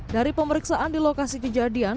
dari pemeriksaan di lokasi kejadian